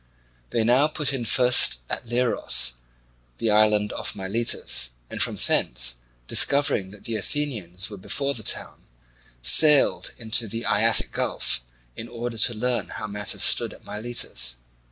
They now put in first at Leros the island off Miletus, and from thence, discovering that the Athenians were before the town, sailed into the Iasic Gulf, in order to learn how matters stood at Miletus.